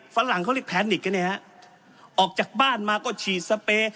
ฝรั่งเขาเรียกแทนิกกันเนี่ยฮะออกจากบ้านมาก็ฉีดสเปย์